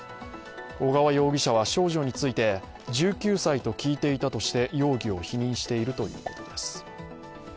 小川容疑者は、少女について１９歳と聞いていたとして、容疑を否認しているということです。